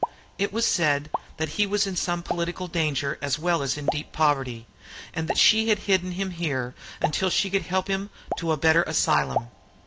It was said that he was in some political danger as well as in deep poverty, and that she had hidden him here until she could help him to a better asylum.